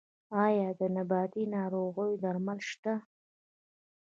آیا د نباتي ناروغیو درمل شته؟